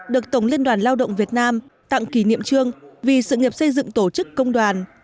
được tổng liên đoàn lao động việt nam tặng kỷ niệm trương vì sự nghiệp xây dựng tổ chức công đoàn